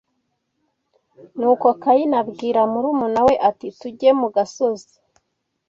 Nuko Kayini abwira murumuna we ati ‘tujye mu gasozi